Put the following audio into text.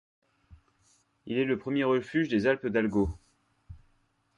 Il est le premier refuge des Alpes d'Allgäu.